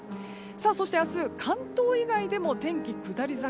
そして明日、関東以外でも天気下り坂。